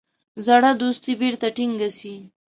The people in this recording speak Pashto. زړه دوستي بیرته ټینګه سي.